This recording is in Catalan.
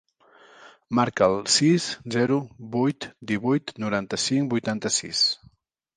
Marca el sis, zero, vuit, divuit, noranta-cinc, vuitanta-sis.